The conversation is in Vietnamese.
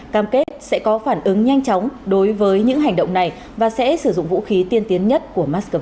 cam kết sẽ có phản ứng nhanh chóng đối với những hành động này và sẽ sử dụng vũ khí tiên tiến nhất của moscow